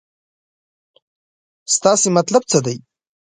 ستاسې مطلب څه دی.